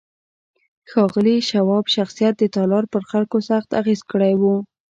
د ښاغلي شواب شخصيت د تالار پر خلکو سخت اغېز کړی و.